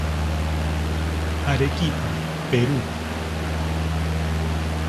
Arequipa, Perú.